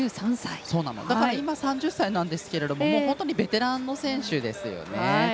だから３０歳なんですけれども本当にベテランの選手ですよね。